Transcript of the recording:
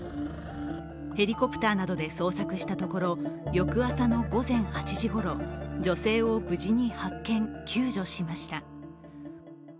ヘリコプターなどで捜索したところ、翌朝の午前８時ごろ、女性を無事に発見・救助しました。